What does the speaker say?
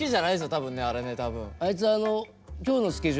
多分ねあれね多分。